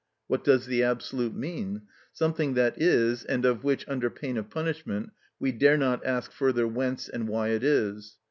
What does the absolute mean? Something that is, and of which (under pain of punishment) we dare not ask further whence and why it is.